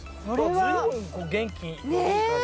随分元気のいい感じ。